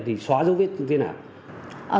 thì xóa dấu vết như thế nào